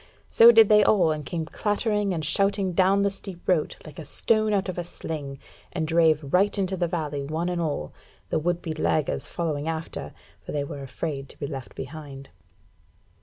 So did they all, and came clattering and shouting down the steep road like a stone out of a sling, and drave right into the valley one and all, the would be laggards following after; for they were afraid to be left behind.